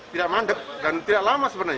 tidak mandek dan tidak lama sebenarnya